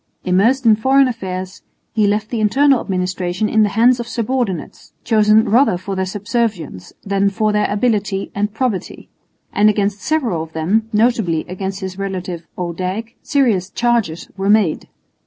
Immersed in foreign affairs, he left the internal administration in the hands of subordinates chosen rather for their subservience than for their ability and probity; and against several of them, notably against his relative Odijk, serious charges were made.